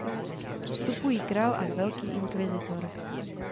Vstupují král a Velký inkvizitor.